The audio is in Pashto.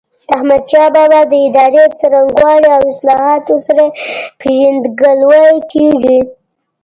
د احمدشاه بابا د ادارې څرنګوالي او اصلاحاتو سره یې پيژندګلوي کېږي.